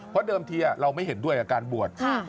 เพราะเดิมทีเราไม่เห็นด้วยกับการบวช